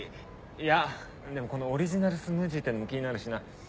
いやでもこのオリジナルスムージーってのも気になるしな。